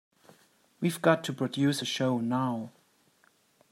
We've got to produce a show now.